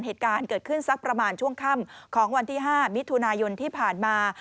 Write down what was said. เหตุการณ์เกิดขึ้นสักประมาณช่วงค่ำของวันที่๕มิถุนายนที่ผ่านมา